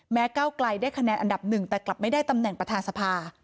เก้าไกลได้คะแนนอันดับหนึ่งแต่กลับไม่ได้ตำแหน่งประธานสภา